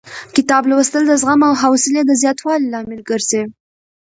کتاب لوستل د زغم او حوصلې د زیاتوالي لامل ګرځي.